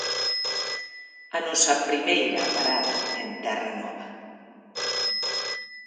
A nosa primeira parada en Terra Nova.